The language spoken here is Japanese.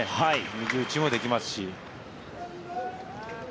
右打ちもできますし。